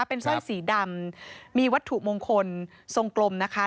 เป็นสร้อยสีดำมีวัตถุมงคลทรงกลมนะคะ